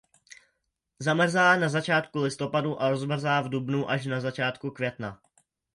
Zamrzá na začátku listopadu a rozmrzá v dubnu až na začátku května.